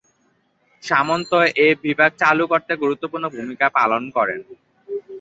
সামন্ত এই বিভাগ চালু করতে গুরুত্বপূর্ণ ভূমিকা পালন করেন।